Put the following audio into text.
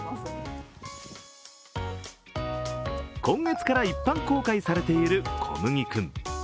今月から一般公開されているこむぎ君。